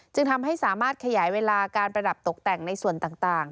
จึงทำให้สามารถขยายเวลาการประดับตกแต่งในส่วนต่าง